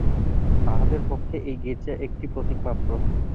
তাহাদের পক্ষে এই গির্জা একটি প্রতীকমাত্র।